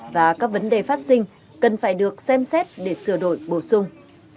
và các vấn đề phát sinh cần phải được xem xét để sửa đổi bổ sung